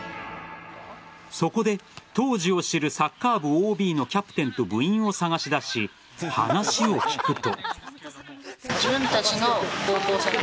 そこで、当時を知るサッカー部ＯＢのキャプテンと部員を探し出し話を聞くと。